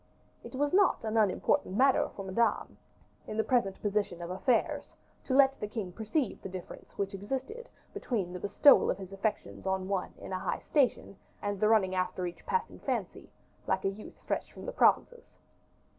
It was not an unimportant matter for Madame, in the present position of affairs, to let the king perceive the difference which existed between the bestowal of his affections on one in a high station, and the running after each passing fancy, like a youth fresh from the provinces.